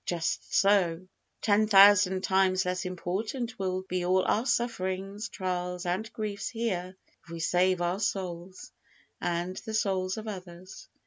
Just so; ten thousand times less important will be all our sufferings, trials, and griefs here, if we save our souls, and the souls of others.